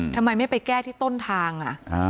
ทำไมไม่ไปแก้ที่ต้นทาง